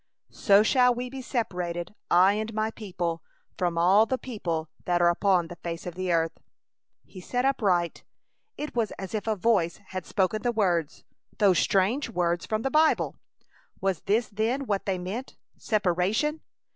So shall we be separated, I and my people, from all the people that are upon the face of the earth! He started upright! It was as if a Voice had spoken the words, those strange words from the Bible! Was this then what they meant? Separation!